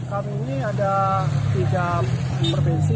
kami ini ada tiga provinsi